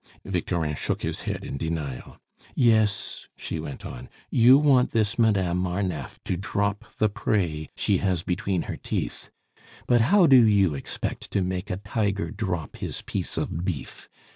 Victorin shook his head in denial. "Yes," she went on, "you want this Madame Marneffe to drop the prey she has between her teeth. But how do you expect to make a tiger drop his piece of beef?